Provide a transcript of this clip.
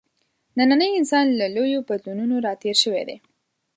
نننی انسان له لویو بدلونونو راتېر شوی دی.